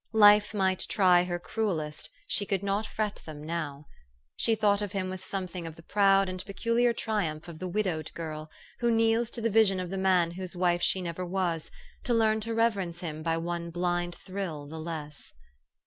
Life might try her cruelest, she could not fret them now. She thought of him with something of the proud and peculiar triumph of the widowed girl, 'who kneels to the vision of the man whose wife she never was, to learn to reverence him by one blind thrill the less.